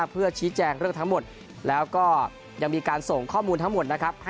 เพื่อชี้แจงเรื่องทั้งหมดแล้วก็ยังมีการส่งข้อมูลทั้งหมดนะครับ